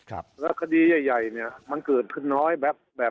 แล้วก็คดีใหญ่มันเกิดคุณน้อยแบบ